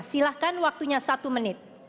silahkan waktunya satu menit